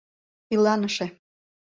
Иланыше